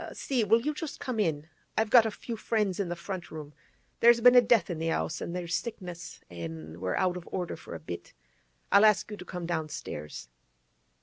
'See, will you just come in? I've got a few friends in the front room; there's been a death in the 'ouse, an' there's sickness, an' we're out of order a bit, I'll ask you to come downstairs.